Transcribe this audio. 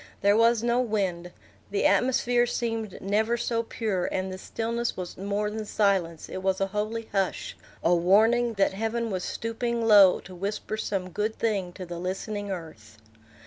There was no wind. The atmosphere seemed never so pure, and the stillness was more than silence; it was a holy hush, a warning that heaven was stooping low to whisper some good thing to the listening earth.